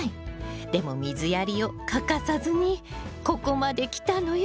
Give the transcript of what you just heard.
でも水やりを欠かさずにここまできたのよ！